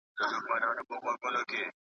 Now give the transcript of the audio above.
دولت به په نوو پروژو کي پانګونه وکړي.